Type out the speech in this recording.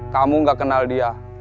kamu gak kenal dia